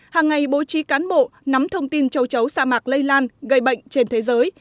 hàng ngày bố trí cán bộ nắm thông tin châu chấu sa mạc lây lan gây bệnh trên thế giới